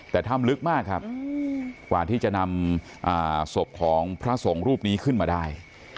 แต่ถ้ำลึกมากครับกว่าที่จะนำศพของพระสงฆ์รูปนี้ขึ้นมาได้